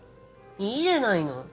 いいじゃないの。